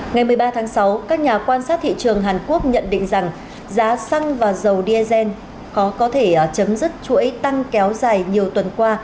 ngày một mươi ba tháng sáu các nhà quan sát thị trường hàn quốc nhận định rằng giá xăng và dầu diesel khó có thể chấm dứt chuỗi tăng kéo dài nhiều tuần qua